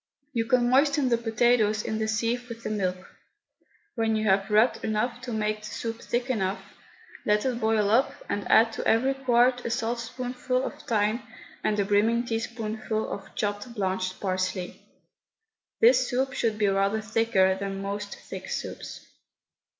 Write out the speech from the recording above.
You can moisten the potatoes in the sieve with the milk. When you have rubbed enough to make the soup thick enough, let it boil up and add to every quart a saltspoonful of thyme and a brimming teaspoonful of chopped blanched parsley. This soup should be rather thicker than most thick soups.